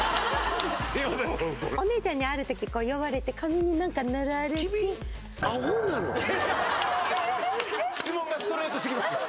お姉ちゃんにある時こう呼ばれて髪に何か塗られて君ええええ質問がストレートすぎます